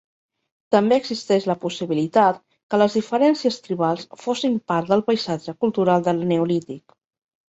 També existeix la possibilitat que les diferències tribals fossin part del paisatge cultural del Neolític.